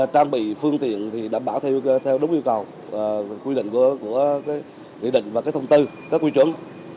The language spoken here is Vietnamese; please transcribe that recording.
trang bị phương tiện đảm bảo theo đúng yêu cầu quy định và thông tư các quy chuẩn